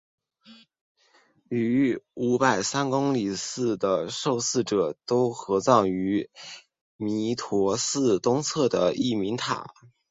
与五百三公祠的受祀者都合葬于弥陀寺东侧的义民塔。